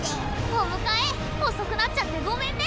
お迎え遅くなっちゃってごめんね。